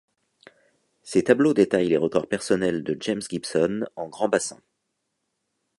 Ces tableaux détaillent les records personnels de James Gibson en grand bassin.